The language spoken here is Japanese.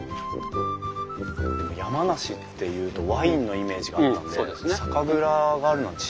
でも山梨っていうとワインのイメージがあったんで酒蔵があるなんて知りませんでした。